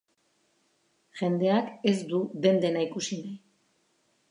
Jendeak ez du den-dena ikusi nahi.